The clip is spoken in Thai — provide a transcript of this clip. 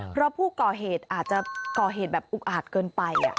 เพราะผู้ก่อเหตุอาจจะก่อเหตุแบบอุกอาจเกินไป